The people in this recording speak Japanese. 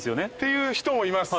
いう人もいます。